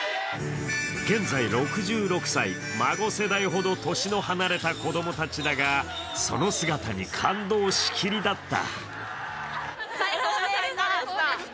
現在６６歳、孫世代ほど年の離れた子供たちだが、その姿に感動しきりだった。